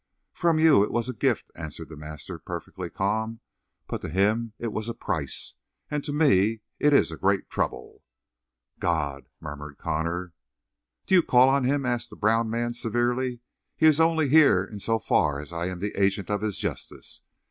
"From you it was a gift," answered the master, perfectly calm, "but to him it was a price. And to me it is a great trouble." "God!" murmured Connor. "Do you call on him?" asked the brown man severely. "He is only here in so far as I am the agent of his justice.